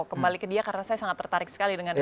kembali ke dia karena saya sangat tertarik sekali dengan